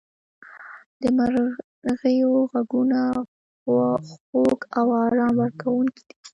• د مرغیو ږغونه خوږ او آرام ورکوونکي دي.